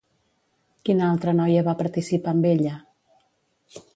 Quina altra noia va participar amb ella?